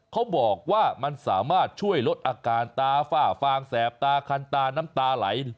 เขาบอกว่ามันสามารถช่วยลดอาการตาฝ้าฟางแสบตาคันตาน้ำตาไหล